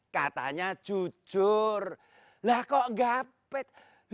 katanya jujur lah kok gapit